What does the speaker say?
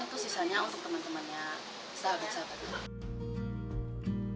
itu sisanya untuk teman temannya sahabat sahabat juga